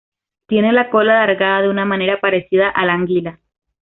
Tienen la cola alargada de una manera parecida a la anguila.